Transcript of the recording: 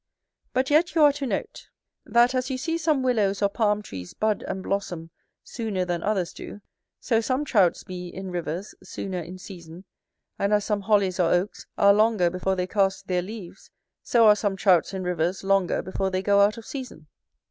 But yet you are to note, that as you see some willows or palm trees bud and blossom sooner than others do, so some Trouts be, in rivers, sooner in season: and as some hollies, or oaks, are longer before they cast their leaves, so are some Trouts, in rivers, longer before they go out of season.